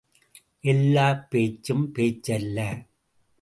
எல்லாப் பேச்சும் பேச்சல்ல!